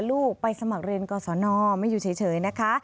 ลูกไปสมัครเรียนกรสนไม่อยู่เฉยนะคะ